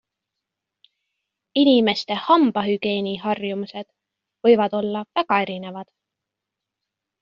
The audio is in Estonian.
Inimeste hambahügieeniharjumused võivad olla väga erinevad.